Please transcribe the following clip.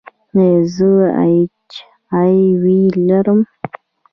ایا زه ایچ آی وي لرم؟